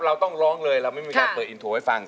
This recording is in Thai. เราต้องร้องเลยเราไม่มีการเปิดอินโทรให้ฟัง